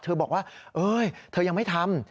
บอกว่าเอ้ยเธอยังไม่ทำ